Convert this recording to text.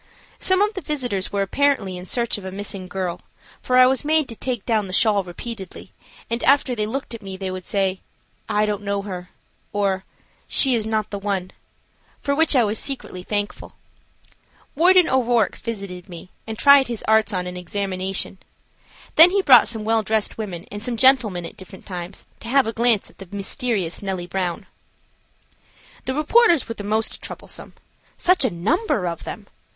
Some of the visitors were apparently in search of a missing girl, for I was made take down the shawl repeatedly, and after they looked at me they would say, "I don't know her," "or, "she is not the one," for which I was secretly thankful. Warden O'Rourke visited me, and tried his arts on an examination. Then he brought some well dressed women and some gentlemen at different times to have a glance at the mysterious Nellie Brown. The reporters were the most troublesome. Such a number of them!